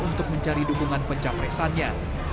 untuk mencari dukungan pencapresannya